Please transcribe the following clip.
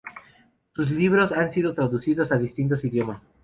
Sus libros han sido traducidos a distintos idiomas.